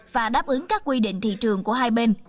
và đáp ứng các quy định thị trường của hai bên